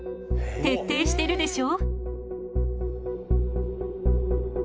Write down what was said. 徹底してるでしょ？